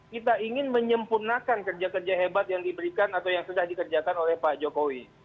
kita ingin menyempurnakan kerja kerja hebat yang diberikan atau yang sudah dikerjakan oleh pak jokowi